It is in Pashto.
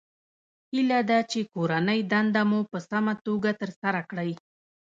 هیله ده چې کورنۍ دنده مو په سمه توګه ترسره کړئ